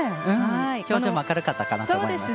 表情も明るかったかなと思います。